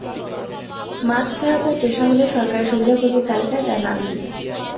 মাছ ধরা তাঁর পেশা হলেও সরকারের সুবিধাভোগীর তালিকায় তাঁর নাম নেই।